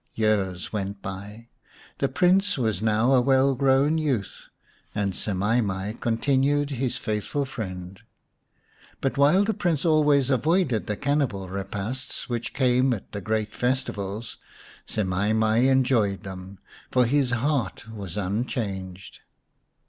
Years went by. The Prince was now a well grown youth, and Semai mai con tinued his faithful friend. But while the Prince always avoided the cannibal repasts which came at the great festivals, Semai mai enjoyed them, for his heart was unchanged.